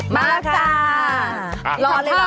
มาล่ะค่ะ